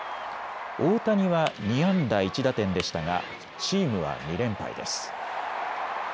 大谷は２安打１打点でしたがチームは２連敗です。